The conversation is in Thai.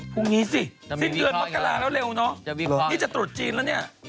พรุ่งนี้สิสิ้นเดือนมกราแล้วเร็วเนอะนี่จะตรุษจีนแล้วเนี่ย